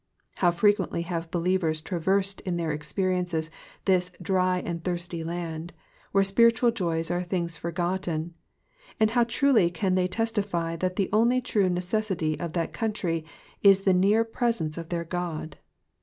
How frequently have believers traversed in their experience this rfry and thirsty land,'''' where spiritual joys are things forgotten ! and how truly can they testify that the only true necessity of that country is the near presence of their God